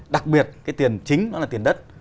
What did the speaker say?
đặc biệt cái tiền chính nó là tiền đất